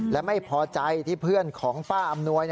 และไม่พอใจที่เพื่อนของป้าอำนวย